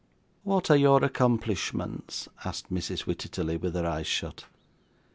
'What are your accomplishments?' asked Mrs. Wititterly, with her eyes shut.